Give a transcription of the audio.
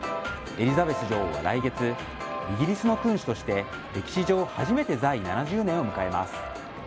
エリザベス女王は来月イギリスの君主として歴史上初めて在位７０年を迎えます。